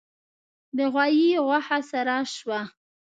د غوايي غوښه سره شوه.